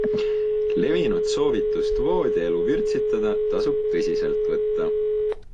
Levinud soovitust voodielu vürtsitada tasub tõsiselt võtta.